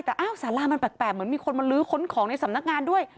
แต่อ้าวสารามันแปลกเหมือนมีคนมาลื้อค้นของในสำนักงานด้วย